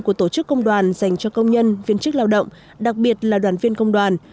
của tổ chức công đoàn dành cho công nhân viên chức lao động đặc biệt là đoàn viên công đoàn